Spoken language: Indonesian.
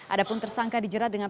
ada pun tersangka dijerat dengan